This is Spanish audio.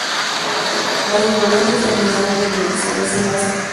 La inflorescencia es terminal, racemosa.